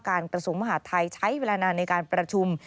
กระทรวงมหาดไทยใช้เวลานานในการประชุม